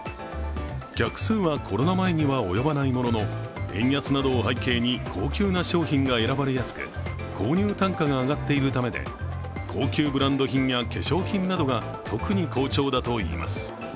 客数はコロナ前には及ばないものの円安などを背景に高級な商品が選ばれやすく購入単価が上がっているためで高級ブランド品や化粧品などが特に好調だといいます。